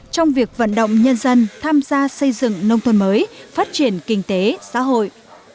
trong việc vận động nhân dân tham gia xây dựng nông thôn mới phát triển kinh tế xã hội